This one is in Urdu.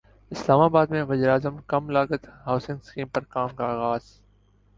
اسلام اباد میں وزیراعظم کم لاگت ہاسنگ اسکیم پر کام کا اغاز